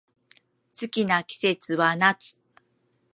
好きな季節は夏